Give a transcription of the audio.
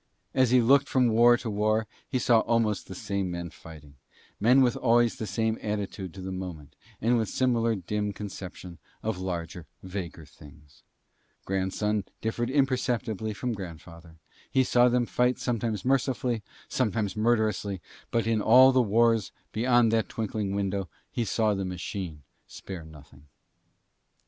As he looked from war to war he saw almost the same men fighting, men with always the same attitude to the moment and with similar dim conception of larger, vaguer things; grandson differed imperceptibly from grandfather; he saw them fight sometimes mercifully, sometimes murderously, but in all the wars beyond that twinkling window he saw the machine spare nothing.